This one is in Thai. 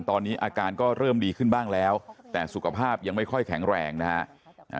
ตอนนี้อาการก็เริ่มดีขึ้นบ้างแล้วแต่สุขภาพยังไม่ค่อยแข็งแรงนะฮะ